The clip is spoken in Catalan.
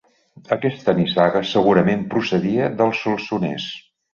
Aquesta nissaga segurament procedia del Solsonès.